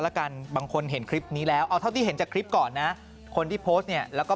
แล้วกันบางคนเห็นคลิปนี้แล้วเอาเท่าที่เห็นจากคลิปก่อนนะคนที่โพสต์เนี่ยแล้วก็